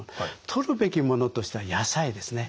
とるべきものとしては野菜ですね。